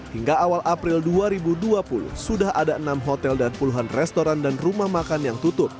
hingga awal april dua ribu dua puluh sudah ada enam hotel dan puluhan restoran dan rumah makan yang tutup